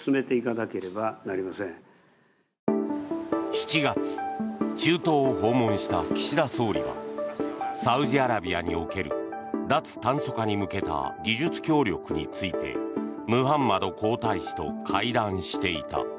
７月、中東を訪問した岸田総理はサウジアラビアにおける脱炭素化に向けた技術協力についてムハンマド皇太子と会談していた。